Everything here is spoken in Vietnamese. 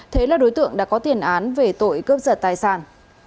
thế là đối tượng đã có tiền án về tội cướp giật tài sản